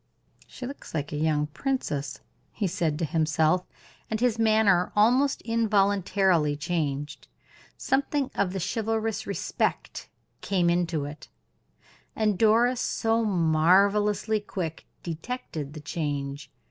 "She looks like a young princess," he said to himself: and his manner almost involuntarily changed something of chivalrous respect came into it; and Doris, so marvelously quick, detected the change.